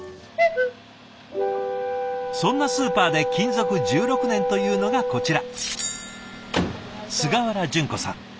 そんなスーパーで勤続１６年というのがこちら菅原順子さん。